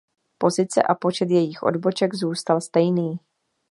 Pozice a počet jejich odboček zůstal stejný.